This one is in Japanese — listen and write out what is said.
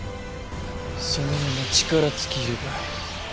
そのまま力尽きるがいい。